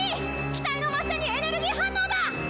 機体の真下にエネルギー反応だ！